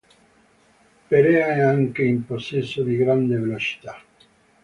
Perea è anche in possesso di grande velocità.